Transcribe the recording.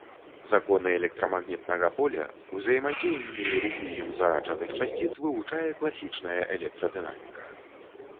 Законы электрамагнітнага поля, узаемадзеянне і рух у ім зараджаных часціц вывучае класічная электрадынаміка.